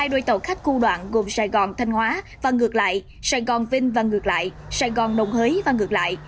một mươi hai đôi tàu khách khu đoạn gồm sài gòn thanh hóa và ngược lại sài gòn vinh và ngược lại sài gòn nông hới và ngược lại